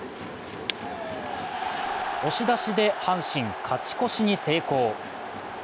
押し出しで阪神、勝ち越しに成功。